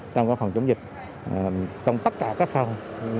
trong các phòng chống dịch trong tất cả các phòng